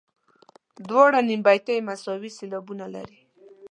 دواړه نیم بیتي مساوي سېلابونه لري.